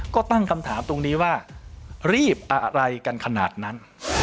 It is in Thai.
ก็ตั้งคำถามตรงนี้ว่ารีบอะไรกันขนาดนั้น